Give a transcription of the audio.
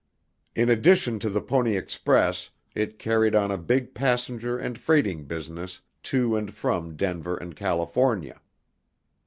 In addition to the Pony Express it carried on a big passenger and freighting business to and from Denver and California.